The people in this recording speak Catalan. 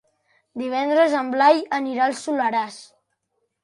Divendres en Blai anirà al Soleràs.